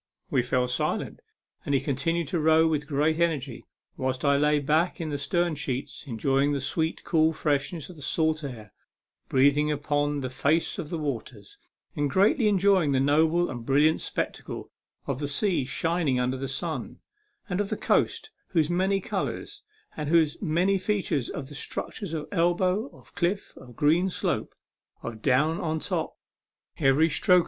" We fell silent, and he continued to row with great energy, whilst I lay back in the stern sheets enjoying the sweet cool freshness of the salt air breathing upon the face of the waters, and greatly enjoying the noble and brilliant spectacle of the sea shining under the sun, and of the coast, whose many colours, and whose many features of structure, of elbow, of cliff, of green slope, of down on top, every stroke 70 A MEMORABLE SWIM.